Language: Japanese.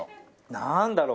なんだろう？